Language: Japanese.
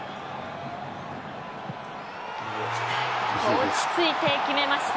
落ち着いて決めました。